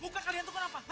muka kalian tuh kenapa